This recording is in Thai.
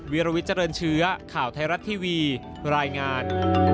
วิรวิทเจริญเชื้อข่าวไทยรัฐทีวีรายงาน